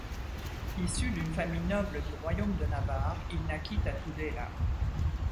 Issu d'une famille noble du royaume de Navarre, il naquit à Tudela.